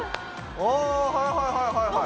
あぁはいはいはい。